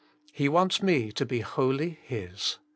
He wants me to be wholly His.